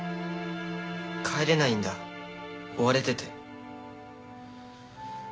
帰れないんだ追われてて。